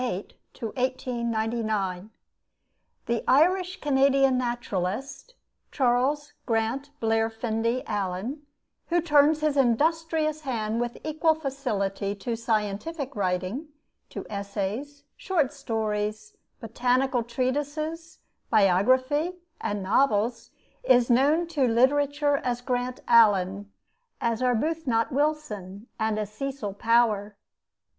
CHARLES GRANT ALLEN (1848 ) The Irish Canadian naturalist, Charles Grant Blairfindie Allen, who turns his industrious hand with equal facility to scientific writing, to essays, short stories, botanical treatises, biography, and novels, is known to literature as Grant Allen, as "Arbuthnot Wilson," and as "Cecil Power."